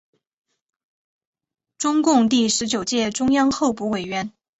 中共第十九届中央候补委员。